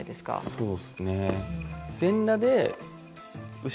そうですね。